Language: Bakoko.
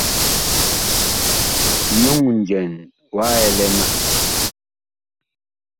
Nyuŋ njɛn wa ɛlɛ ma.